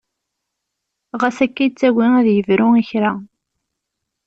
Xas akka yettagi ad yebru i kra.